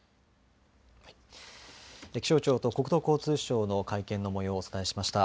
気象庁と国土交通省の会見の模様をお伝えしました。